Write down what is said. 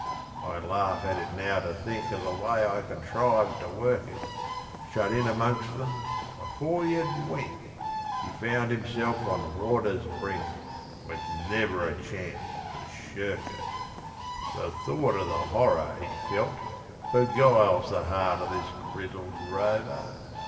I laugh at it now to think Of the way I contrived to work it. Shut in amongst them, before you'd wink, He found himself on the water's brink, With never a chance to shirk it! The thought of the horror he felt, beguiles The heart of this grizzled rover!